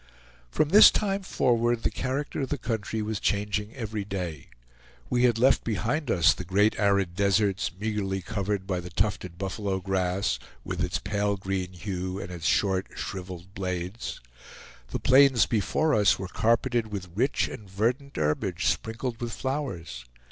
From this time forward the character of the country was changing every day. We had left behind us the great arid deserts, meagerly covered by the tufted buffalo grass, with its pale green hue, and its short shriveled blades. The plains before us were carpeted with rich and verdant herbage sprinkled with flowers.